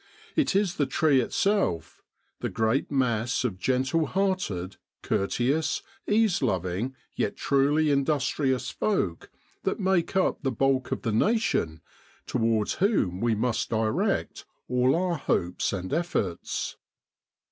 It is the tree itself, the great mass of gentle hearted, courteous, ease loving, yet truly industrious folk that make up the bulk of the nation, towards whom we must direct all our hopes and efforts.